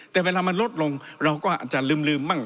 แต่เวลามันลดลงเราก็อาจจะลืมบ้าง